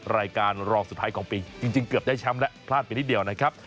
รายการรองสุดท้ายของปีจริงเกือบได้แชมป์และพลาดไปนิดเดียวนะครับ